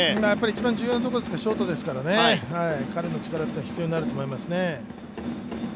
一番重要なところ、ショートですから、彼の力は必要になると思いますね。